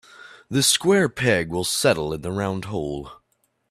The square peg will settle in the round hole.